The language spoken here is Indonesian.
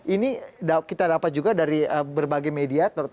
ini kita dapat juga dari berbagai media